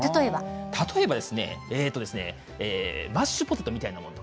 例えば、マッシュポテトみたいなものとか。